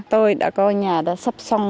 tôi đã có nhà đã sắp xong